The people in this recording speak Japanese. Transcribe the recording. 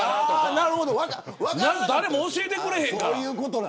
誰も教えてくれへんから。